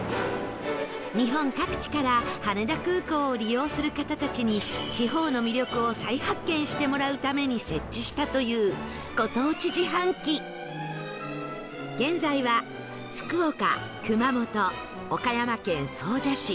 日本各地から羽田空港を利用する方たちに地方の魅力を再発見してもらうために設置したというご当地自販機現在は福岡熊本岡山県総社市